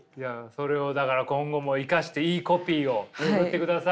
それをだから今後も生かしていいコピーを作ってください。